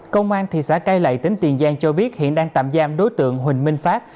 công an thị xã cai lậy tỉnh tiền giang cho biết hiện đang tạm giam đối tượng huỳnh minh phát